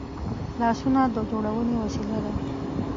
لاسونه د جوړونې وسیله ده